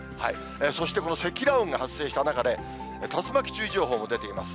そして、この積乱雲が発生した中で、竜巻注意情報も出ています。